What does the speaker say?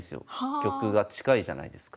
玉が近いじゃないですか。